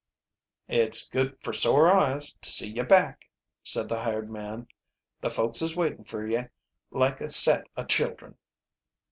"It's good fer sore eyes to see ye back," said the hired man. "The folks is waitin' fer ye like a set o' children."